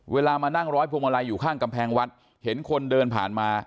เวลามานั่งร้อยพวงมาลัยอยู่ข้างกำแพงวัดเห็นคนเดินผ่านมา